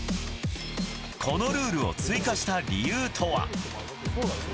このルールを追加した理由とは。